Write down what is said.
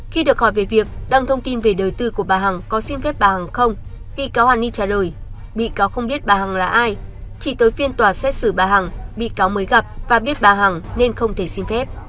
khi được hỏi về việc đăng thông tin về đời tư của bà hằng có xin phép bà hằng không bị cáo hàn ni trả lời bị cáo không biết bà hằng là ai chỉ tới phiên tòa xét xử bà hằng bị cáo mới gặp và biết bà hằng nên không thể xin phép